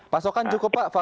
pasokan cukup pak